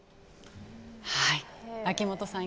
秋元さん